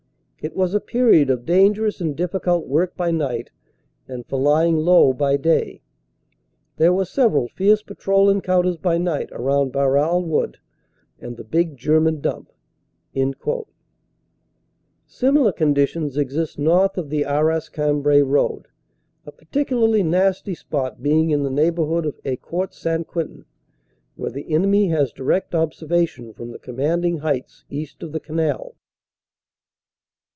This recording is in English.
It was a period of dangerous and difficult work by night and for lying low by day. There were CONFRONTING THE CANAL DU NORD 187 several fierce patrol encounters by night around Baralle wood and the big German dump." Similar conditions exist north of the Arras Cambrai road, a particularly nasty spot being in the neighborhood of Ecourt St. Quentin, where the enemy has direct observation from the commanding heights east of the canal.